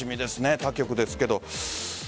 他局ですけど。